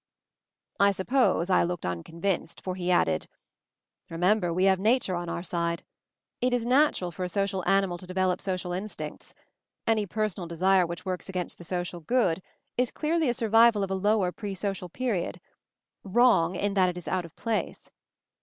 I suppose I looked unconvinced, for he added, "Remember we have nature on our side. It is natural for a social animal to develop social instincts; any personal desire which works against the social good is clearly a survival of a lower pre social period; wrong, in that it is out of place.